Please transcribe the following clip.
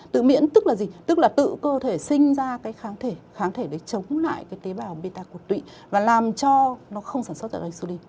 tự miễn tức là gì tức là tự cơ thể sinh ra cái kháng thể kháng thể để chống lại cái tế bào beta cột tụy và làm cho nó không sản xuất được insulin